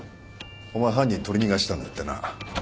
お前犯人取り逃がしたんだってな。